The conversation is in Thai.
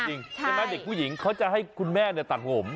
ใช่ไหมเด็กผู้หญิงเขาจะให้คุณแม่ตัดผม